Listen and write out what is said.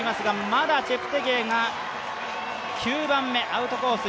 まだチェプテゲイが９番目、アウトコース